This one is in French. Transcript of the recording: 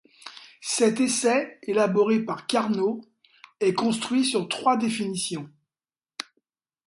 Cet essai, élaboré par Carnot, est construit sur trois définitions.